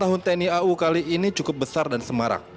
dan ulang tahun tni au kali ini cukup besar dan semarang